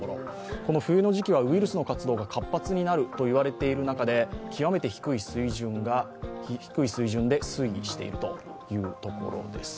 この冬の時期はウイルスの活動が活発になると言われている中で極めて低い水準で推移しているというところです。